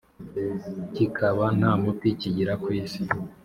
kikaba ntamuti kigira kwisi